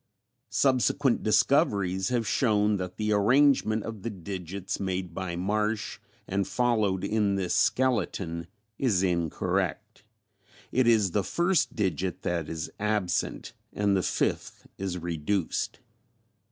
(Subsequent discoveries have shown that the arrangement of the digits made by Marsh and followed in this skeleton is incorrect. It is the first digit that is absent, and the fifth is reduced.)